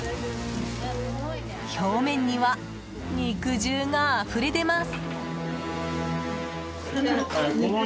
表面には、肉汁があふれ出ます。